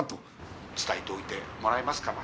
伝えておいてもらえますかな。